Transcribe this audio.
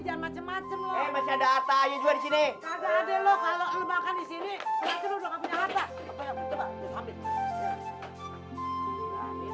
jangan macem macem lo masih ada apa juga disini ada adek lo kalau makan di sini sudah nggak punya